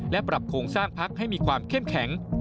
และปรับโครงสร้างพักให้มีความเข้มแข็ง